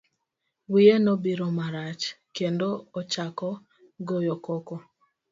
Wiye nobiro marach, kendo ochako goyo koko.